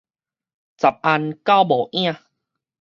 十限九無影